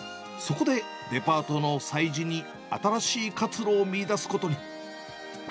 そこでデパートの催事に、新しい活路を見いだすことに。